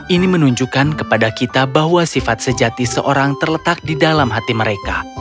ini menunjukkan kepada kita bahwa sifat sejati seorang terletak di dalam hati mereka